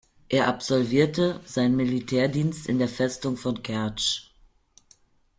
Er absolvierte seinen Militärdienst in der Festung von Kertsch.